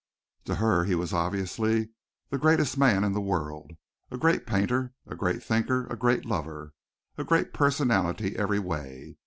To her he was obviously the greatest man in the world, a great painter, a great thinker, a great lover, a great personality every way.